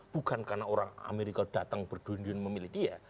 bukan karena orang amerika datang berdunding memilih dia